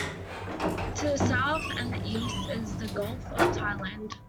To the south and the east is the Gulf of Thailand.